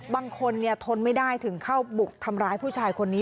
บางคนทนไม่ได้ถึงเข้าบุกทำร้ายผู้ชายคนนี้